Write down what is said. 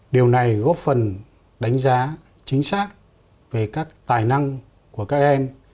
điều này góp phần đánh giá chính xác về các tài năng của các em